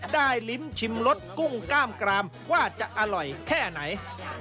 ลิ้มชิมรสกุ้งกล้ามกรามว่าจะอร่อยแค่ไหน